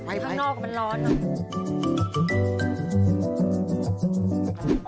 ข้างนอกมันร้อนเนอะ